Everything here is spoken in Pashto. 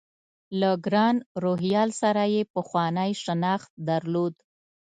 له ګران روهیال سره یې پخوانی شناخت درلود.